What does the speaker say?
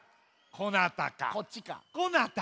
こなたか。